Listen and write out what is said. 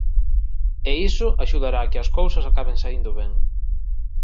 E iso axudará a que as cousas acaben saíndo ben